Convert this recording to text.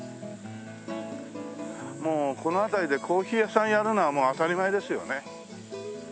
もうこの辺りでコーヒー屋さんやるのはもう当たり前ですよね。